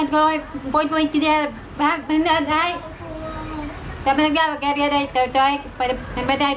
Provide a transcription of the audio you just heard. กล้อเล็กไว้